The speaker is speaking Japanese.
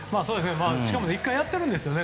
しかも１回やってるんですよね。